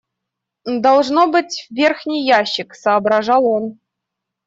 Должно быть, верхний ящик, — соображал он.